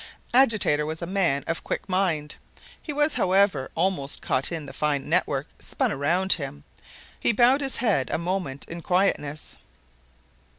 Agitator was a man of quick mind. He was, however, almost caught in the fine network spun around him. He bowed his head a moment in quietness.